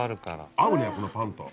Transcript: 合うねこのパンと。